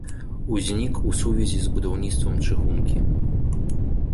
Узнік у сувязі з будаўніцтвам чыгункі.